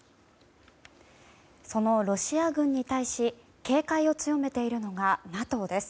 そのロシア軍に対し警戒を強めているのがＮＡＴＯです。